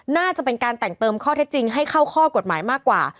น่าจะเป็นการแต่งเติมข้อเท็จจริงให้เข้าข้อกฎหมายมากกว่า